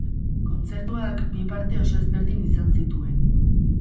Kontzertuak bi parte oso ezberdin izan zituen.